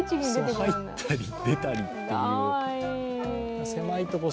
入ったり出たりっていう。